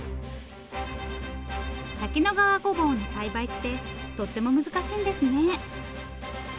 滝野川ごぼうの栽培ってとっても難しいんですね。